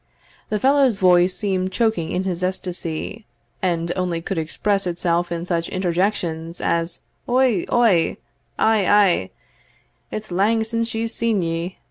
The fellow's voice seemed choking in his ecstasy, and only could express itself in such interjections as "Oigh! oigh! Ay! ay! it's lang since she's seen ye!"